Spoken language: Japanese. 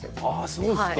そうですか。